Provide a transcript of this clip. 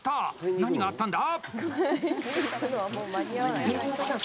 何があったんだ！